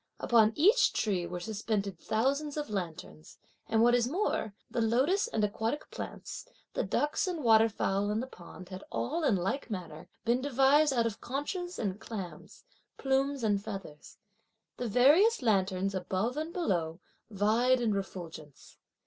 Upon each tree were suspended thousands of lanterns; and what is more, the lotus and aquatic plants, the ducks and water fowl in the pond had all, in like manner, been devised out of conches and clams, plumes and feathers. The various lanterns, above and below, vied in refulgence.